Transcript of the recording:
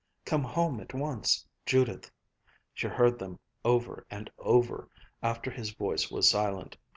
Come home at once. Judith." She heard them over and over after his voice was silent.